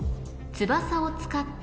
翼を使って。